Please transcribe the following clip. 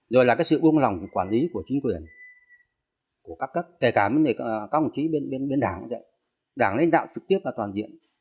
rồi là cái sự uông lòng của quản lý của chính quyền của các cấp kể cả vấn đề công trí bên đảng đảng lãnh đạo trực tiếp và toàn diện